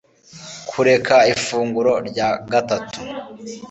Kureka ifunguro rya gatatu